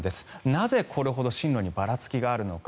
なぜこれほど進路にばらつきがあるのか。